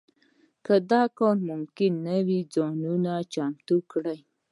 که دا کار ممکن نه وي ځان چمتو کړي.